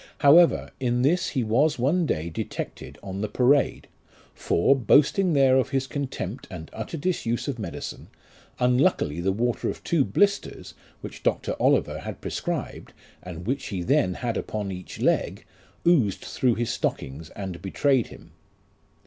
However, in this he was one day detected on the parade ; for boasting there of his contempt and utter disuse of medicine, unluckily the water of two blisters, which Dr. Oliver had prescribed, and which he then had upon each leg, oozed through his stockings, and betrayed him.